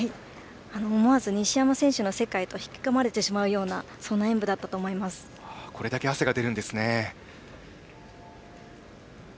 思わず西山選手の世界へと引き込まれてしまうようなこれだけ汗が出るんですね。